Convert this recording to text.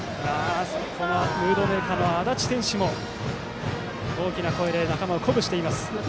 ムードメーカー、安達選手も大きな声で仲間を鼓舞しています。